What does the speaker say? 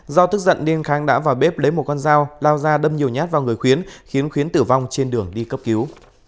do tức giận nên khang đã vào bếp lấy một con dao lao ra đâm nhiều nhát vào người khuyến khiến khuyến tử vong trên đường đi cấp cứu